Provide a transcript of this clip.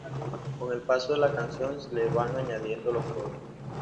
Con el paso de la canción se le van añadiendo los coros.